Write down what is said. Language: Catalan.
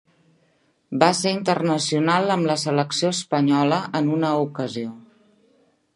Va ser internacional amb la selecció espanyola en una ocasió.